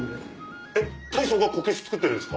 えっ大将がこけし作ってるんですか？